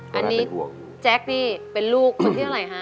อันนี้แจ๊คนี่เป็นลูกคนที่เท่าไหร่ฮะ